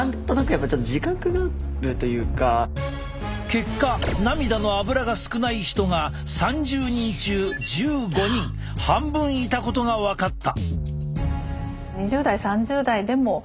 結果涙のアブラが少ない人が３０人中１５人半分いたことが分かった！